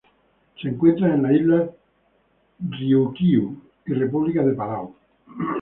Se encuentran en las Islas Ryukyu y República de Palau.